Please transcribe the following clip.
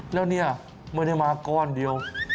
แล้วเนี่ยไม่ได้มาก้อนเดียว